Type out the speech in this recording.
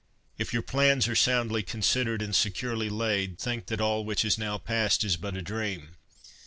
If your plans are soundly considered, and securely laid, think that all which is now passed is but a dream.